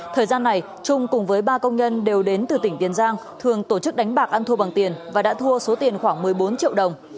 thời gian này trung cùng với ba công nhân đều đến từ tỉnh tiền giang thường tổ chức đánh bạc ăn thua bằng tiền và đã thua số tiền khoảng một mươi bốn triệu đồng